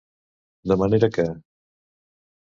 De manera que.